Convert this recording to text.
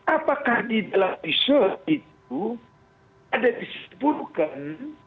apakah di dalam riset itu ada disebutkan